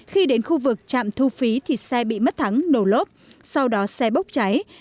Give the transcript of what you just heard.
khi đến khu vực trạm thu phí thì xe bị mất thắng nổ lốp sau đó xe bốc cháy